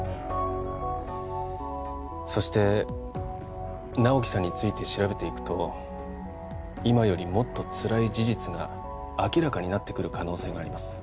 そして直木さんについて調べていくと今よりもっとつらい事実が明らかになってくる可能性があります